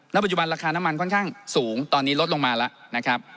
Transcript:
ปัจจุบันราคาน้ำมันค่อนข้างสูงตอนนี้ลดลงมาแล้วนะครับ